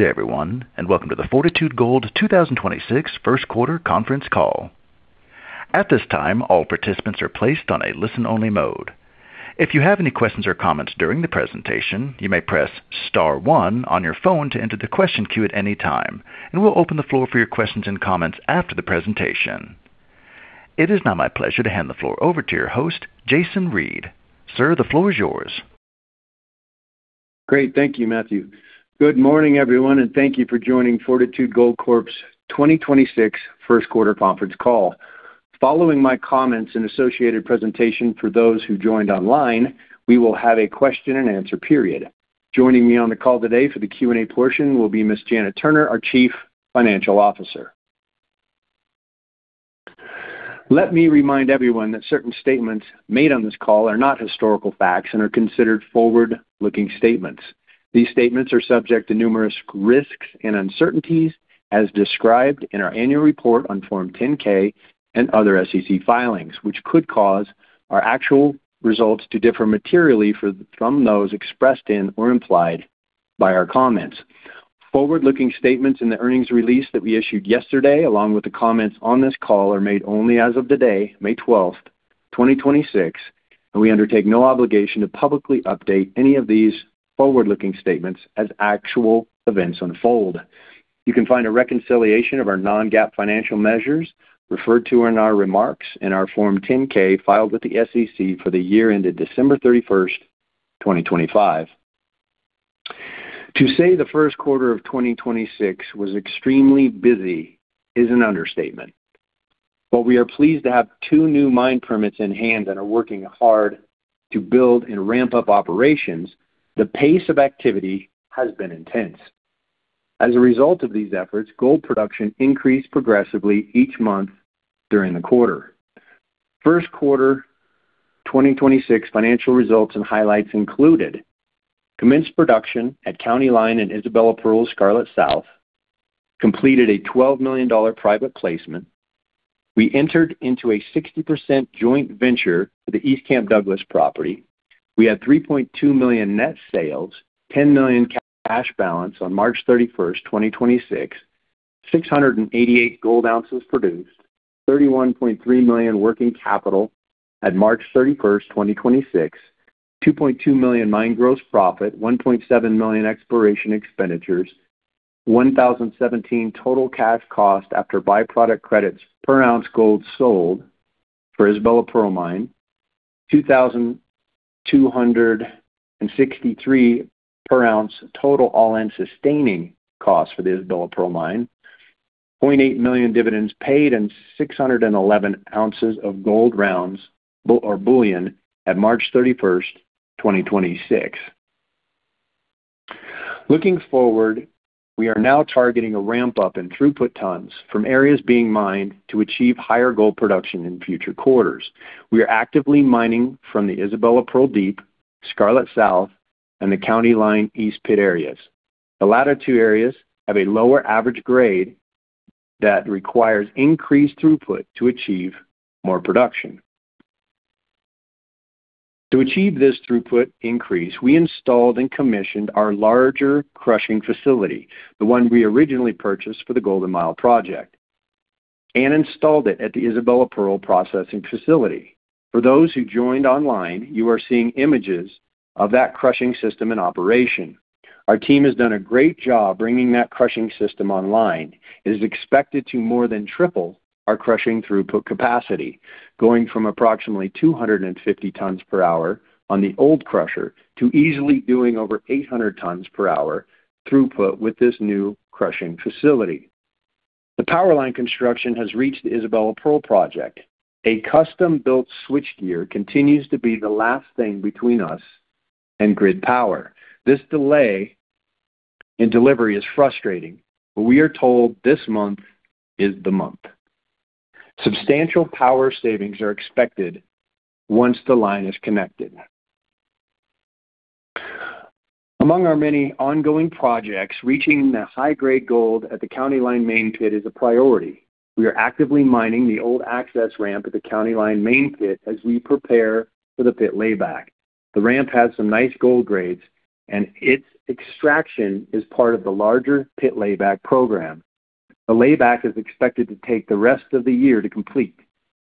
Good day everyone, welcome to the Fortitude Gold 2026 first quarter conference call. At this time, all participants are placed on a listen-only mode. If you have any questions or comments during the presentation, you may press star one on your phone to enter the question queue at any time, and we'll open the floor for your questions and comments after the presentation. It is now my pleasure to hand the floor over to your host, Jason Reid. Sir, the floor is yours. Great. Thank you, Matthew. Good morning, everyone, and thank you for joining Fortitude Gold Corp's 2026 First Quarter Conference Call. Following my comments and associated presentation for those who joined online, we will have a question-and-answer period. Joining me on the call today for the Q&A portion will be Ms. Janet Turner, our Chief Financial Officer. Let me remind everyone that certain statements made on this call are not historical facts and are considered forward-looking statements. These statements are subject to numerous risks and uncertainties as described in our annual report on Form 10-K and other SEC filings, which could cause our actual results to differ materially from those expressed in or implied by our comments. Forward-looking statements in the earnings release that we issued yesterday, along with the comments on this call, are made only as of today, May 12, 2026, and we undertake no obligation to publicly update any of these forward-looking statements as actual events unfold. You can find a reconciliation of our non-GAAP financial measures referred to in our remarks in our Form 10-K filed with the SEC for the year ended December 31, 2025. To say the 1st quarter of 2026 was extremely busy is an understatement. While we are pleased to have 2 new mine permits in hand and are working hard to build and ramp up operations, the pace of activity has been intense. As a result of these efforts, gold production increased progressively each month during the quarter. First quarter 2026 financial results and highlights included commence production at County Line and Isabella Pearl Scarlet South, completed a $12 million private placement. We entered into a 60% joint venture for the East Camp Douglas property. We had $3.2 million net sales, $10 million cash balance on March 31, 2026, 688 gold ounces produced, $31.3 million working capital at March 31, 2026, $2.2 million mine gross profit, $1.7 million exploration expenditures, $1,017 total cash cost after by-product credits per ounce gold sold for Isabella Pearl Mine, $2,263 per ounce total all-in sustaining cost for the Isabella Pearl Mine, $0.8 million dividends paid, and 611 ounces of gold rounds or bullion at March 31, 2026. Looking forward, we are now targeting a ramp up in throughput tons from areas being mined to achieve higher gold production in future quarters. We are actively mining from the Isabella Pearl Deep, Scarlet South, and the County Line East pit areas. The latter two areas have a lower average grade that requires increased throughput to achieve more production. To achieve this throughput increase, we installed and commissioned our larger crushing facility, the one we originally purchased for the Golden Mile project, and installed it at the Isabella Pearl processing facility. For those who joined online, you are seeing images of that crushing system in operation. Our team has done a great job bringing that crushing system online. It is expected to more than triple our crushing throughput capacity, going from approximately 250 tons per hour on the old crusher to easily doing over 800 tons per hour throughput with this new crushing facility. The power line construction has reached the Isabella Pearl project. A custom-built switchgear continues to be the last thing between us and grid power. This delay in delivery is frustrating, but we are told this month is the month. Substantial power savings are expected once the line is connected. Among our many ongoing projects, reaching the high-grade gold at the County Line main pit is a priority. We are actively mining the old access ramp at the County Line main pit as we prepare for the pit layback. The ramp has some nice gold grades, and its extraction is part of the larger pit layback program. The layback is expected to take the rest of the year to complete.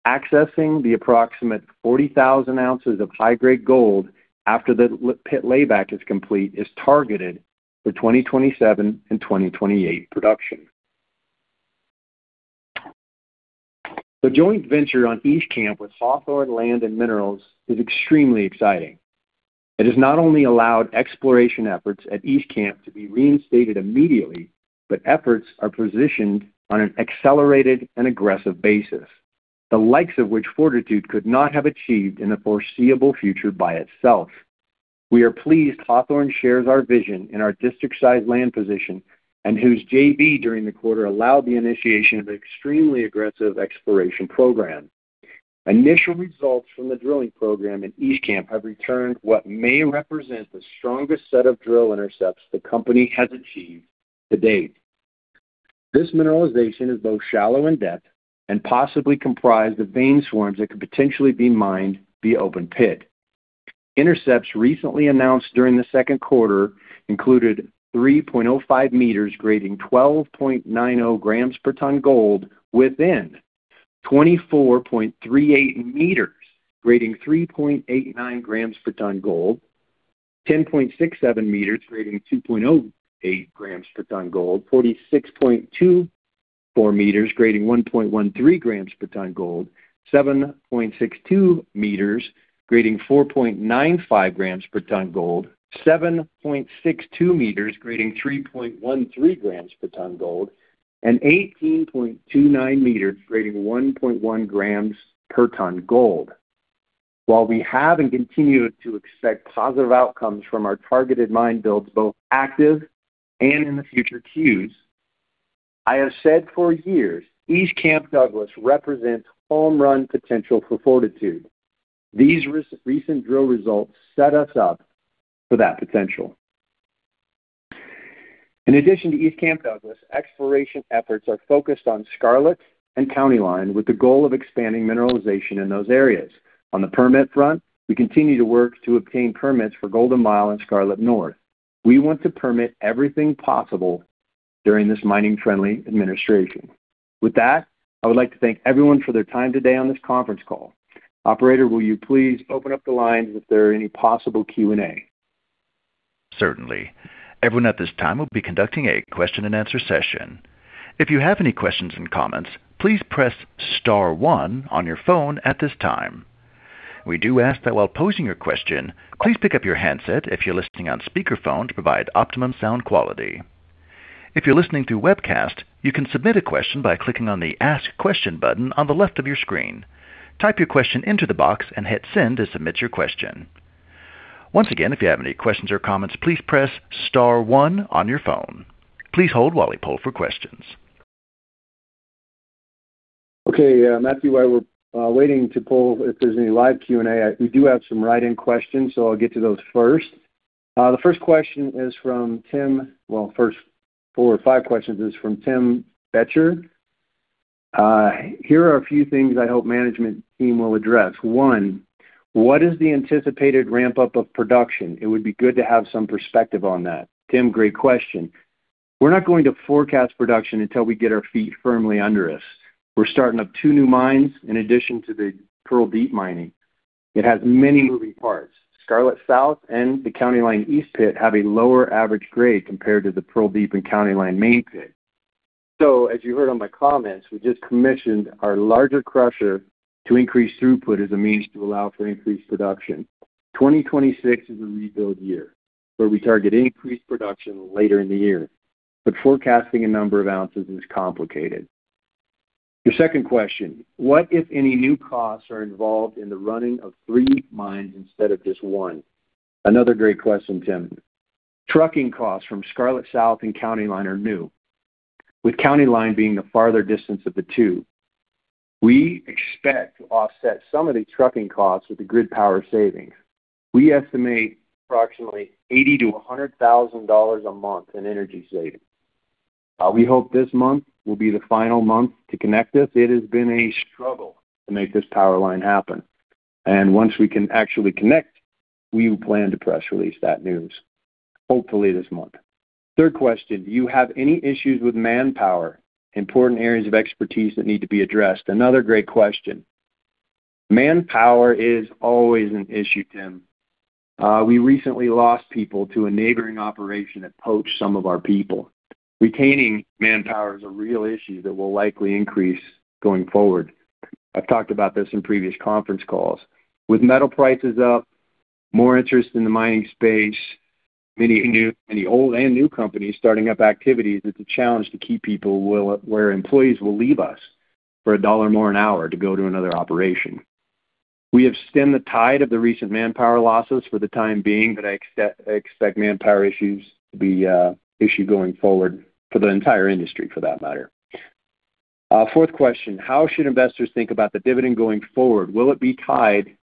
Accessing the approximate 40,000 ounces of high-grade gold after the pit layback is complete is targeted for 2027 and 2028 production. The joint venture on East Camp with Hawthorne Land & Minerals is extremely exciting. It has not only allowed exploration efforts at East Camp to be reinstated immediately, but efforts are positioned on an accelerated and aggressive basis, the likes of which Fortitude could not have achieved in the foreseeable future by itself. We are pleased Hawthorne shares our vision in our district-sized land position and whose JV during the quarter allowed the initiation of an extremely aggressive exploration program. Initial results from the drilling program in East Camp have returned what may represent the strongest set of drill intercepts the company has achieved to date. This mineralization is both shallow in depth and possibly comprised of vein swarms that could potentially be mined via open pit. Intercepts recently announced during the second quarter included 3.05 meters grading 12.90 grams per ton gold within 24.38 meters grading 3.89 grams per ton gold, 10.67 meters grading 2.08 grams per ton gold, 46.24 meters grading 1.13 grams per ton gold, 7.62 meters grading 4.95 grams per ton gold, 7.62 meters grading 3.13 grams per ton gold, and 18.29 meters grading 1.1 grams per ton gold. While we have and continue to expect positive outcomes from our targeted mine builds both active and in the future queues, I have said for years East Camp Douglas represents home run potential for Fortitude. These recent drill results set us up for that potential. In addition to East Camp Douglas, exploration efforts are focused on Scarlet and County Line with the goal of expanding mineralization in those areas. On the permit front, we continue to work to obtain permits for Golden Mile and Scarlet North. We want to permit everything possible during this mining-friendly administration. With that, I would like to thank everyone for their time today on this conference call. Operator, will you please open up the lines if there are any possible Q&A? Certainly. Everyone at this time will be conducting a question-and-answer session. If you have any questions and comments, please press star one on your phone at this time. We do ask that while posing your question, please pick up your handset if you're listening on speakerphone to provide optimum sound quality. If you're listening through webcast, you can submit a question by clicking on the Ask Question button on the left of your screen. Type your question into the box and hit send to submit your question. Once again, if you have any questions or comments, please press star one on your phone. Please hold while we poll for questions. Okay, Matthew, while we're waiting to poll if there's any live Q&A, we do have some write-in questions. I'll get to those first. The first question is from Tim. Well, first four or five questions is from Tim Boettcher. Here are a few things I hope management team will address. One, what is the anticipated ramp-up of production? It would be good to have some perspective on that. Tim, great question. We're not going to forecast production until we get our feet firmly under us. We're starting up two new mines in addition to the Pearl Deep mining. It has many moving parts. Scarlet South and the County Line East Pit have a lower average grade compared to the Pearl Deep and County Line Main Pit. As you heard on my comments, we just commissioned our larger crusher to increase throughput as a means to allow for increased production. 2026 is a rebuild year where we target increased production later in the year. Forecasting a number of ounces is complicated. Your second question, what if any new costs are involved in the running of three mines instead of just one? Another great question, Tim. Trucking costs from Scarlet South and County Line are new, with County Line being the farther distance of the two. We expect to offset some of the trucking costs with the grid power savings. We estimate approximately $80,000 to $100,000 a month in energy savings. We hope this month will be the final month to connect this. It has been a struggle to make this power line happen. Once we can actually connect, we plan to press release that news, hopefully this month. Third question, do you have any issues with manpower, important areas of expertise that need to be addressed? Another great question. Manpower is always an issue, Tim. We recently lost people to a neighboring operation that poached some of our people. Retaining manpower is a real issue that will likely increase going forward. I've talked about this in previous conference calls. With metal prices up, more interest in the mining space, many old and new companies starting up activities, it's a challenge to keep people where employees will leave us for $1 more an hour to go to another operation. We have stemmed the tide of the recent manpower losses for the time being, I expect manpower issues to be an issue going forward for the entire industry for that matter. Fourth question, how should investors think about the dividend going forward? Will it be tied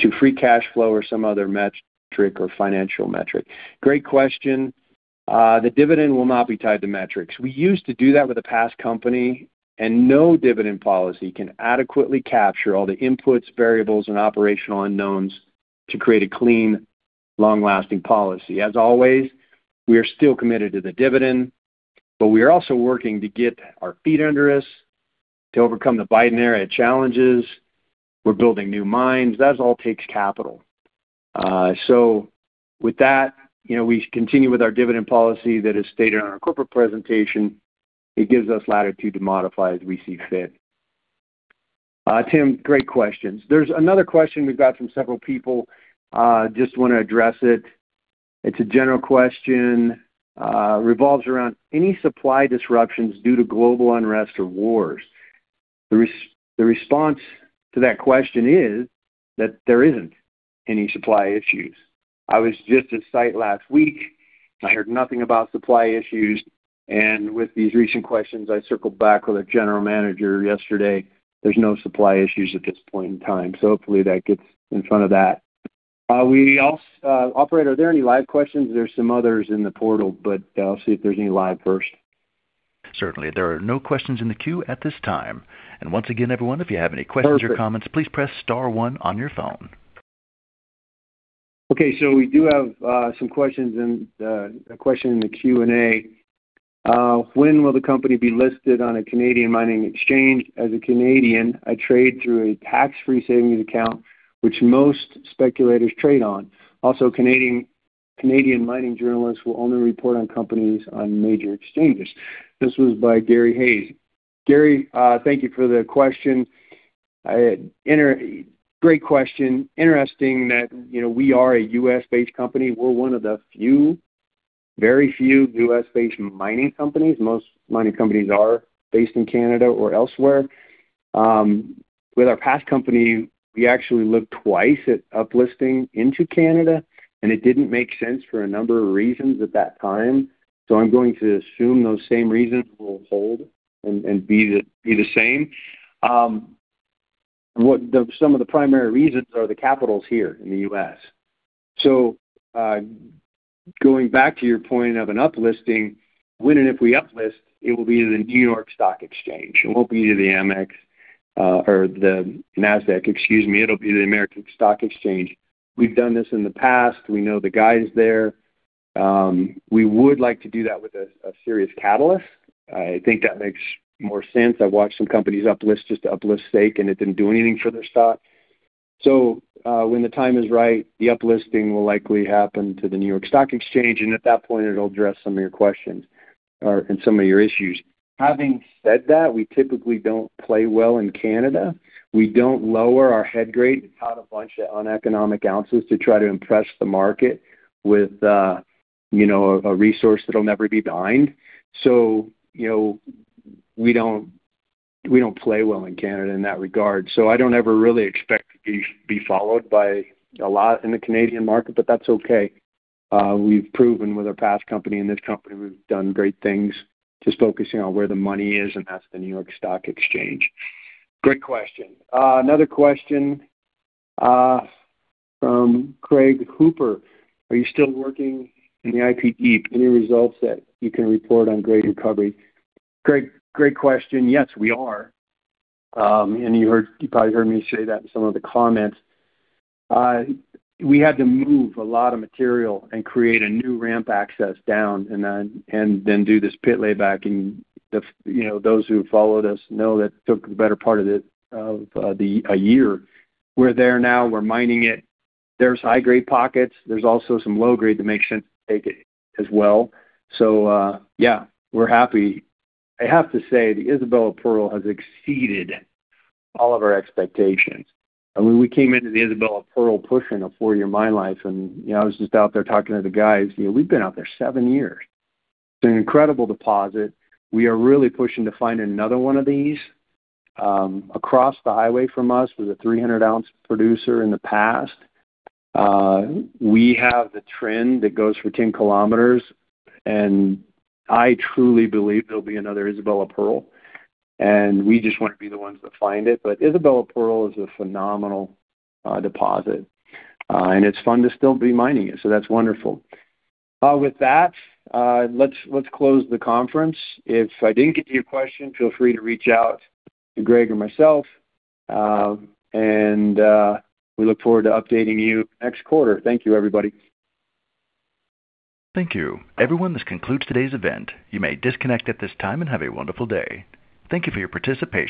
to free cash flow or some other metric or financial metric? Great question. The dividend will not be tied to metrics. We used to do that with a past company. No dividend policy can adequately capture all the inputs, variables, and operational unknowns to create a clean, long-lasting policy. As always, we are still committed to the dividend. We are also working to get our feet under us to overcome the Biden era challenges. We're building new mines. That all takes capital. With that, we continue with our dividend policy that is stated on our corporate presentation. It gives us latitude to modify as we see fit. Tim, great questions. There's another question we've got from several people. I just want to address it. It's a general question. It revolves around any supply disruptions due to global unrest or wars. The response to that question is that there isn't any supply issues. I was just at site last week. I heard nothing about supply issues. With these recent questions, I circled back with a general manager yesterday. There's no supply issues at this point in time. Hopefully that gets in front of that. Operator, are there any live questions? There's some others in the portal, but I'll see if there's any live first. Certainly. There are no questions in the queue at this time. Once again, everyone, if you have any questions or comments, please press star one on your phone. We do have a question in the Q&A. When will the company be listed on a Canadian mining exchange? As a Canadian, I trade through a tax-free savings account, which most speculators trade on. Canadian mining journalists will only report on companies on major exchanges. This was by Gary Hayes. Gary, thank you for the question. Great question. Interesting that, you know, we are a U.S.-based company. We're one of the few, very few U.S.-based mining companies. Most mining companies are based in Canada or elsewhere. With our past company, we actually looked twice at up-listing into Canada, and it didn't make sense for a number of reasons at that time. I'm going to assume those same reasons will hold and be the same. What some of the primary reasons are the capital's here in the U.S. Going back to your point of an up-listing, when and if we up-list, it will be the New York Stock Exchange. It won't be to the AMEX or the NASDAQ, excuse me. It'll be the American Stock Exchange. We've done this in the past. We know the guys there. We would like to do that with a serious catalyst. I think that makes more sense. I've watched some companies up-list just to up-list stake, and it didn't do anything for their stock. When the time is right, the up-listing will likely happen to the New York Stock Exchange, and at that point, it'll address some of your questions and some of your issues. Having said that, we typically don't play well in Canada. We don't lower our head grade and count a bunch of uneconomic ounces to try to impress the market with, you know, a resource that'll never be mined. You know, we don't play well in Canada in that regard. I don't ever really expect to be followed by a lot in the Canadian market, but that's okay. We've proven with our past company and this company, we've done great things just focusing on where the money is, and that's the New York Stock Exchange. Great question. Another question from Craig Hooper. Are you still working in the IPD? Any results that you can report on grade recovery? Craig, great question. Yes, we are. You probably heard me say that in some of the comments. We had to move a lot of material and create a new ramp access down and then do this pit layback. You know, those who followed us know that took the better part of it, of a year. We're there now. We're mining it. There's high-grade pockets. There's also some low grade to make sure to take it as well. Yeah, we're happy. I have to say, the Isabella Pearl has exceeded all of our expectations. I mean, we came into the Isabella Pearl pushing a four-year mine life, and you know, I was just out there talking to the guys, you know, we've been out there seven years. It's an incredible deposit. We are really pushing to find another one of these. Across the highway from us was a 300 ounce producer in the past. We have the trend that goes for 10 kilometers, and I truly believe there'll be another Isabella Pearl, and we just wanna be the ones that find it. Isabella Pearl is a phenomenal deposit, and it's fun to still be mining it, so that's wonderful. With that, let's close the conference. If I didn't get to your question, feel free to reach out to Greg or myself, and we look forward to updating you next quarter. Thank you, everybody. Thank you. Everyone, this concludes today's event. You may disconnect at this time, and have a wonderful day. Thank you for your participation.